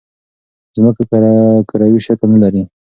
ځمکه کروی شکل نه لري.